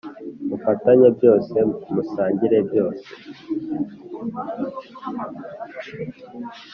mufatanye byose musangire byose